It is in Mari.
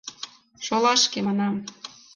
Шолашке, манам!